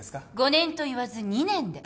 ５年といわず２年で。